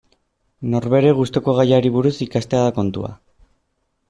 Norbere gustuko gaiari buruz ikastea da kontua.